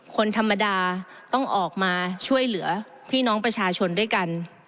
คนธรรมดาต้องออกมาช่วยเหลือพี่น้องประชาชนด้วยกัน